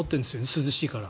涼しいから。